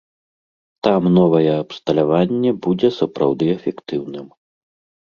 Там новае абсталяванне будзе сапраўды эфектыўным.